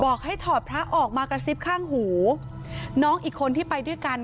ให้ถอดพระออกมากระซิบข้างหูน้องอีกคนที่ไปด้วยกัน